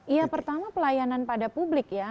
iya pertama pelayanan pada publik ya